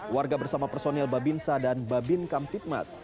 warga bersama personil babinsa dan babin kamtipmas